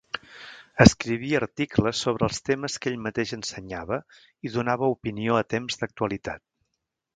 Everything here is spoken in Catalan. Escrivia articles sobre els temes que ell mateix ensenyava i donava opinió a temps d'actualitat.